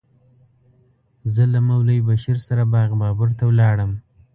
زه له مولوي بشیر سره باغ بابر ته ولاړم.